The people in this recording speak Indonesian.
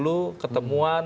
sekarang keras simulasi ini